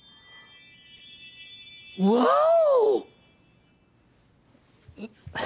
ワオ！